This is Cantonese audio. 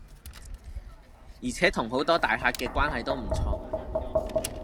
而且同好多大客既關係都唔錯